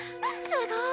すごい！